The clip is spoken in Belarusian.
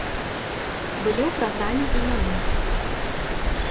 Былі ў праграме і яны.